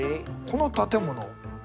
この建物？